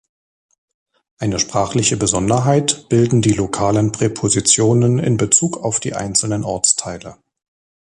Eine sprachliche Besonderheit bilden die lokalen Präpositionen in Bezug auf die einzelnen Ortsteile.